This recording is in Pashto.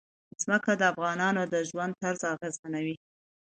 ځمکه د افغانانو د ژوند طرز اغېزمنوي.